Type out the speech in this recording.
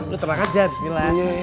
lo tenang aja bismillah